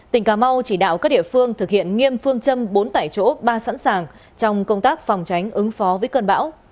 tỉnh cà mau chỉ đạo các địa phương thực hiện nghiêm phương châm bốn tại chỗ ba sẵn sàng trong công tác phòng tránh ứng phó với cơn bão